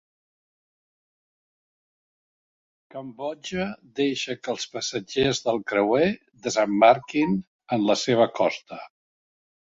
Cambodja deixa que els passatgers del creuer desembarquin en la seva costa